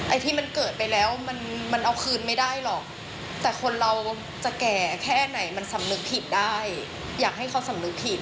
ไอ้ที่มันเกิดไปแล้วมันเอาคืนไม่ได้หรอกแต่คนเราจะแก่แค่ไหนมันสำนึกผิดได้อยากให้เขาสำนึกผิด